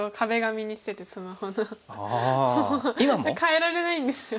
今も！？替えられないんですよ